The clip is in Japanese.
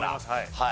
はい。